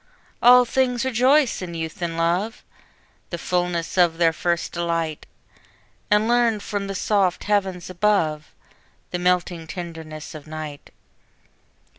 All things rejoice in youth and love, The fulness of their first delight! And learn from the soft heavens above The melting tenderness of night.